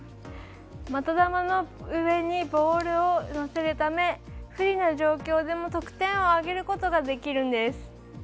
的球の上にボールを乗せるため不利な状況でも得点を挙げることができるんです。